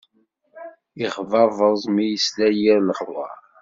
Yexbabeḍ mi yesla yir lexbaṛ!